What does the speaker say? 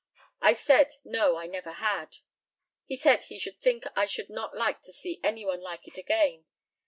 I said, no, I never had. He said he should think I should not like to see any one like it again.